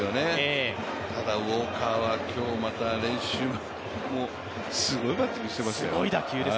ただウォーカーは練習もすごいバッティングしていましたよ。